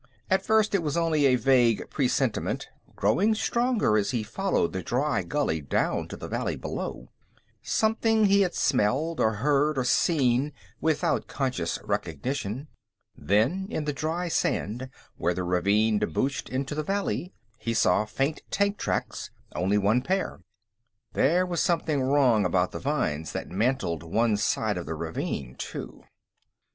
At first, it was only a vague presentiment, growing stronger as he followed the dry gully down to the valley below. Something he had smelled, or heard, or seen, without conscious recognition. Then, in the dry sand where the ravine debouched into the valley, he saw faint tank tracks only one pair. There was something wrong about the vines that mantled one side of the ravine, too....